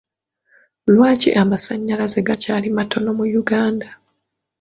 Lwaki amasannyalaze gakyali matono mu Uganda?